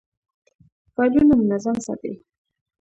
فایلونه منظم ساتئ؟